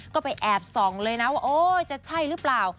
ก็ไปแอบส่องเลยนะว่าโอ๊ยจะใช่หรือเปล่า